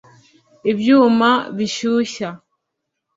ibyuma bishyushya